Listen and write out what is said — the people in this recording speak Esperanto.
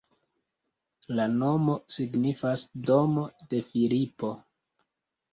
La nomo signifas domo de Filipo.